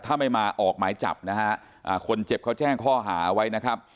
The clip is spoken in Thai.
ถ้าไม่มาออกหมายจับนะฮะคนเจ็บเขาแจ้งข้อหาไว้นะครับ